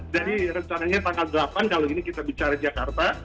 rencananya tanggal delapan kalau ini kita bicara jakarta